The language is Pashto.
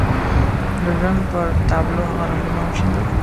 د ژوند پر تابلو هغه رنګونه وشيندل.